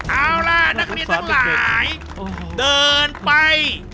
เอาล่ะนักเรียนทั้งหลายเดินไป